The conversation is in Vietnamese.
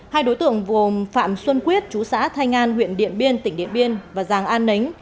hai đối tượng gồm phạm xuân quyết chú xã thanh an huyện điện biên tỉnh điện biên và giàng an nính